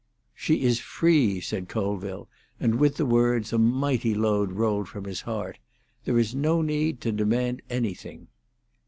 "She is free," said Colville, and with the words a mighty load rolled from his heart. "There is no need to demand anything."